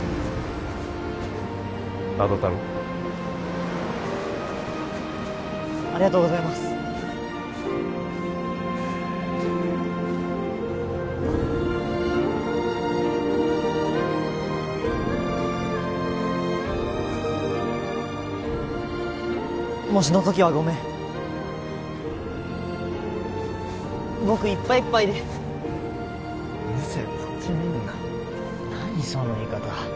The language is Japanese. あと頼むありがとうございます模試の時はごめん僕いっぱいいっぱいでうるせえこっち見んな何その言い方